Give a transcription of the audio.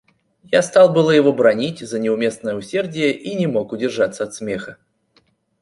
Я стал было его бранить за неуместное усердие и не мог удержаться от смеха.